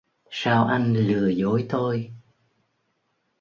sao anh lừa dối tôi